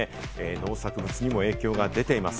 農作物にも影響が出ています。